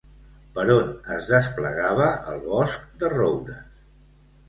Per on es desplegava el bosc de roures?